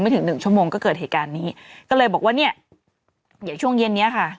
ถึงหนึ่งชั่วโมงก็เกิดเหตุการณ์นี้ก็เลยบอกว่าเนี่ยเดี๋ยวช่วงเย็นเนี้ยค่ะ